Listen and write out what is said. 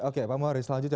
oke pak muhari selanjutnya